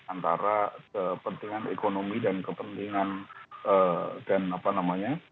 antara kepentingan ekonomi dan kepentingan dan apa namanya